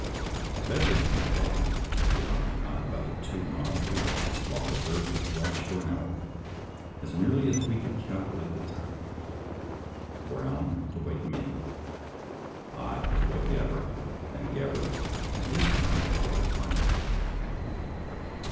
A bed was made down, to be occupied by the two not on duty, while the third kept watch for an hour, as nearly as he could calculate the time — Brown to wake me, I to wake Gabbert, and Gabbert, in his turn, to wake Brown.